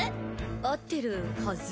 合ってるはず